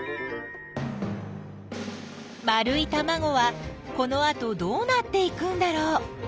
丸いたまごはこのあとどうなっていくんだろう？